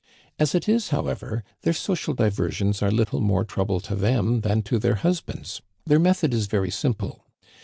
As it is, however, their so cial diversions are little more trouble to them than to their husbands. Their method is very simple.